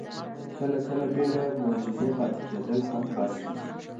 کله کله بې له معجزې پاتې کېدل هم بس وي.